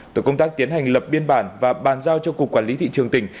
tổ công tác tiến hành lập biên bản và bàn giao cho cục quản lý thị trường tỉnh